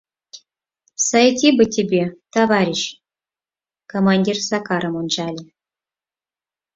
Сойти бы тебе, товарищ, — командир Сакарым ончале.